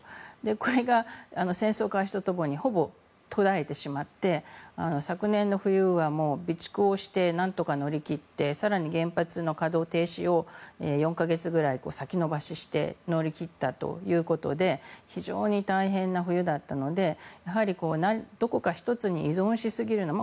これが戦争開始とともにほぼ途絶えてしまって昨年の冬は備蓄をしてなんとか乗り切って更に原発の稼働停止を４か月くらい先延ばしして乗り切ったということで非常に大変な冬だったのでやはり、どこか１つに依存しすぎるのも。